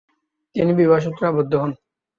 তিনি বিবাহ সূত্রে আবদ্ধ হন।